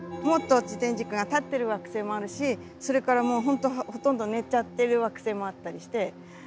もっと自転軸が立ってる惑星もあるしそれからもう本当ほとんど寝ちゃってる惑星もあったりして。